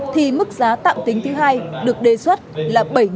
thì mức giá tạm tính thứ hai được đề xuất là bảy bảy trăm linh đồng